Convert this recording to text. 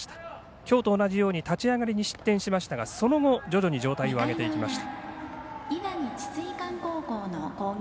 きょうと同じように立ち上がりに失点しましたがその後、徐々に状態を上げてきました。